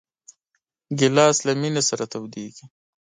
ګیلاس له مېنې سره تودېږي.